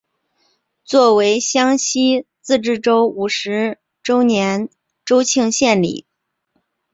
作为湘西自治州五十周年州庆献礼。